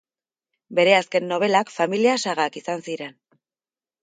Bere azken nobelak familia-sagak izan ziren.